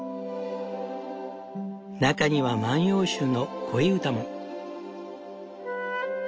中には万葉集の恋歌も。